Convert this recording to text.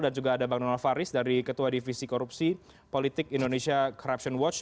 juga ada bang donald faris dari ketua divisi korupsi politik indonesia corruption watch